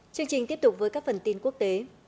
chương trình tiếp tục với các phần tin quốc tế